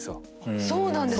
そうなんですね。